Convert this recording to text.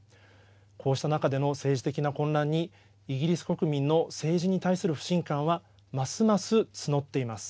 こうした中での政治的な混乱にイギリス国民の政治に対する不信感はますます募っています。